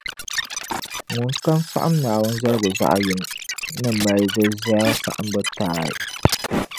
ŋunkam saɣim Naawuni zaligu zaɣ’ yini ni mali di zaa saɣimbu taai.